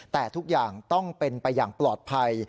แต่ทุกอย่างต้องเป็นไปอย่างปลอดภัย